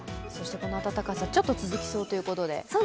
この暖かさ、ちょっと続きそうということで。